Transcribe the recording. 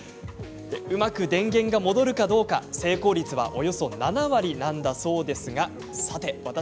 うまく電源が戻るかどうか成功率はおよそ７割なんだそうですがさて。